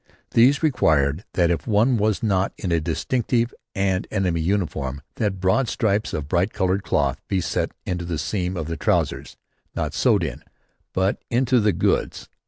These required that if one was not in a distinctive and enemy uniform that broad stripes of bright colored cloth be set into the seam of the trousers; not sewed on, but into the goods.